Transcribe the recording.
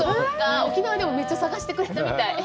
沖縄でもめっちゃ探してくれたみたい。